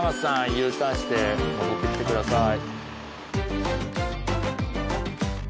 Ｕターンして戻ってきてください。